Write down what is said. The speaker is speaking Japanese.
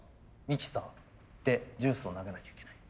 ミキサーでジュースを投げなきゃいけない。